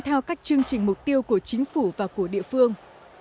theo các chương trình mục tiêu của chính phủ và của địa phương